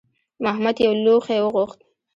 محمد یو لوښی وغوښت.